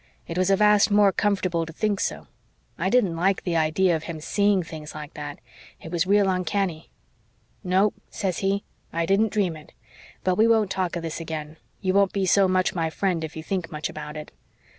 It was a vast more comfortable to think so. I didn't like the idea of him seeing things like that it was real uncanny. "'No,' says he, 'I didn't dream it. But we won't talk of this again. You won't be so much my friend if you think much about it.'